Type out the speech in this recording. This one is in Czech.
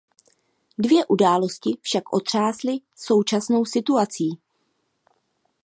Dvě události však otřásly současnou situací.